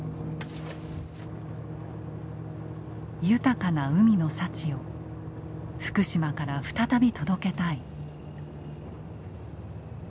豊かな海の幸を福島から再び届けたい。